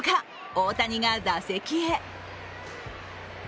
大谷が打席へ。